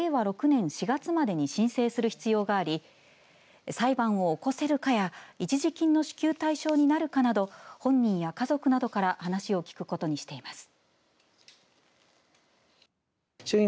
６年４月までに申請する必要があり裁判を起こせるかや一時金の支給対象になるかなど本人や家族などから話を聞くことにしています。